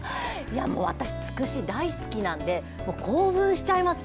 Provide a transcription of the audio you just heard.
私、つくし大好きなので興奮しちゃいます。